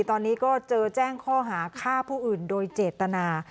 ตอนนี้ก็เจอแจ้งข้อหาฆ่าผู้อื่นโดยเจตนา